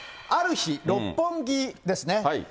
ある日、六本木ですね。